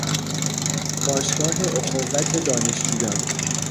باشگاه اخوت دانشجویان